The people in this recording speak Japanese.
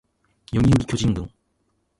読売巨人軍